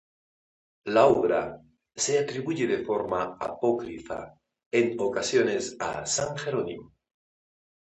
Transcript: La obra se atribuye de forma apócrifa en ocasiones a san Jerónimo.